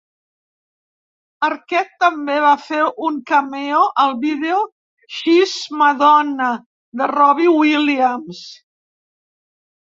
Arquette també va fer un cameo al vídeo "She's Madonna" de Robbie Williams.